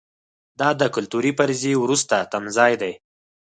دا د کلتوري فرضیې وروستی تمځای دی.